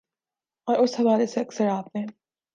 اور اس حوالے سے اکثر آپ نے